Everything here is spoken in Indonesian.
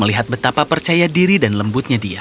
melihat betapa percaya diri dan lembutnya dia